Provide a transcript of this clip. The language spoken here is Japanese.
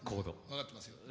分かってますよ。